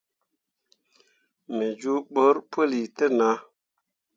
Me juubǝrri puli te nah.